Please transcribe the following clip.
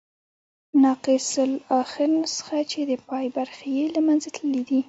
ناقص الاخرنسخه، چي د پای برخي ئې له منځه تللي يي.